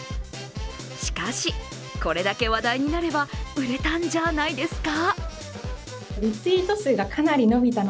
しかし、これだけ話題になれば売れたんじゃないですか？